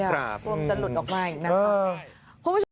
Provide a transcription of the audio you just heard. กลัวมันจะหลุดออกมาอีกนะครับ